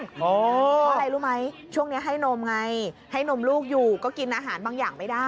เพราะอะไรรู้ไหมช่วงนี้ให้นมไงให้นมลูกอยู่ก็กินอาหารบางอย่างไม่ได้